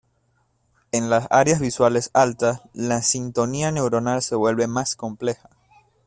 En las áreas visuales altas, la sintonía neuronal se vuelve más compleja.